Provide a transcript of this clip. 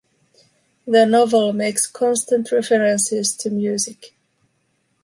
The novel makes constant references to music.